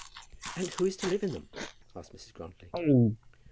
"And who is to live in them?" asked Mrs. Grantly.